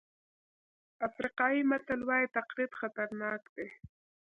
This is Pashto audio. افریقایي متل وایي تقلید خطرناک دی.